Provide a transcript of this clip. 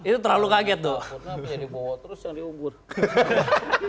itu terlalu kaget tuh